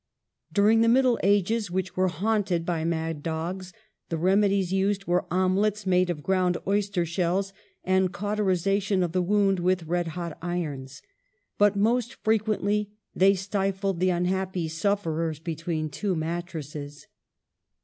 During the middle ages, which were haunted by mad dogs, the remedies used were omelettes made of ground oyster shells and cauterisation of the wound with red hot irons ; but most frequently they stifled the unhappy sufferers between two mattresses.